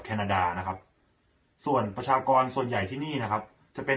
นาดานะครับส่วนประชากรส่วนใหญ่ที่นี่นะครับจะเป็น